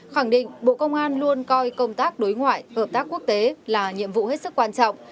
khẳng định bộ công an luôn coi công tác đối ngoại hợp tác quốc tế là nhiệm vụ hết sức quan trọng